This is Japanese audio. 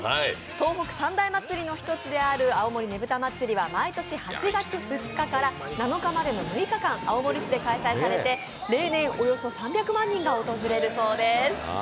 東北三大祭りの一つである青森ねぶた祭は、毎年８月２日から７日までの６日間、青森市で開催されて例年およそ３００万人が訪れるそうです。